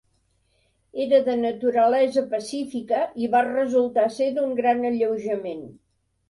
Era de naturalesa pacífica i va resultar ser d'un gran alleujament.